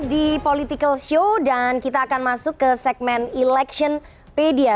di political show dan kita akan masuk ke segmen electionpedia